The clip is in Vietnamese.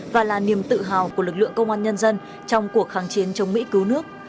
và là niềm tự hào của lực lượng công an nhân dân trong cuộc kháng chiến chống mỹ cứu nước